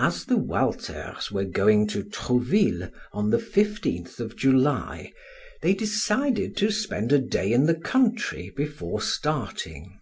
As the Walters were going to Trouville on the fifteenth of July, they decided to spend a day in the country before starting.